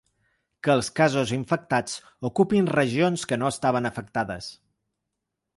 Que els casos infectats ocupin regions que no estaven afectades.